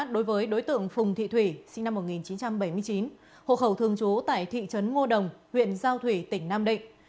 đối với đối tượng phùng thị thủy sinh năm một nghìn chín trăm bảy mươi chín hộ khẩu thường trú tại thị trấn ngô đồng huyện giao thủy tỉnh nam định